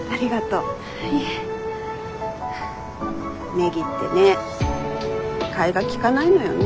ネギってね替えが利かないのよね。